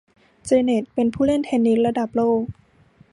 เจเน็ตเป็นผู้เล่นเทนนิสระดับโลก